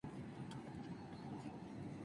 Preguntas sofisticadas.